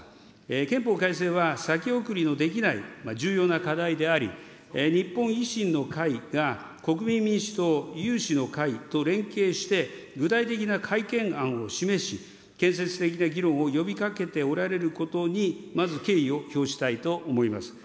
憲法改正は先送りのできない重要な課題であり、日本維新の会が国民民主党、有志の会と連携して具体的な改憲案を示し、建設的な議論を呼びかけておられることにまず敬意を表したいと思います。